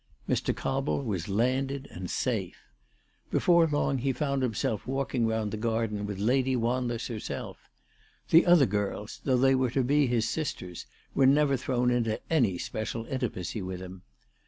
Mr. Cobble was landed and safe. Before long he found himself ALICE DUGDALE. 373 walking round the garden with Lady Wanless herself. The other girls, though they were to be his sisters, were never thrown into any special intimacy with him.